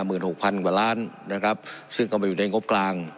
หมื่นหกพันกว่าล้านนะครับซึ่งกำลังไปอยู่ในงบกลาง